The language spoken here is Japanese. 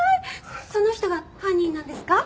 その人が犯人なんですか？